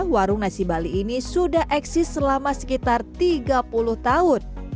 warung nasi bali ini sudah eksis selama sekitar tiga puluh tahun